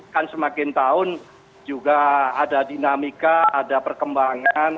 kan semakin tahun juga ada dinamika ada perkembangan